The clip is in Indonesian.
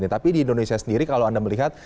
tapi di indonesia sendiri kalau anda melihat